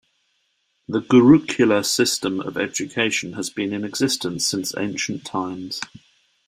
The gurukula system of education has been in existence since ancient times.